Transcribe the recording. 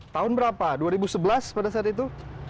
tahun berapa dua ribu sebelas pada saat itu